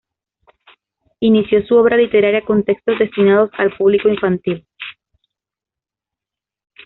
Inició su obra literaria con textos destinados al público infantil.